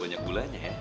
boleh banyak gulanya ya